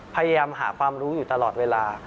พยายามหาความรู้อยู่ตลอดเวลา